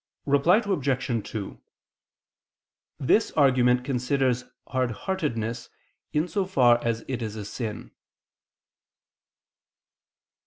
Reply Obj. 2: This argument considers hardheartedness in so far as it is a sin.